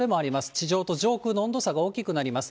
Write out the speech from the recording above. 地上と上空の温度差が大きくなります。